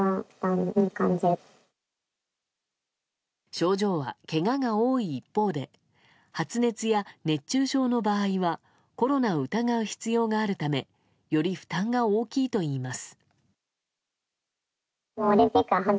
症状はけがが多い一方で発熱や熱中症の場合はコロナを疑う必要があるためより負担が大きいといいます。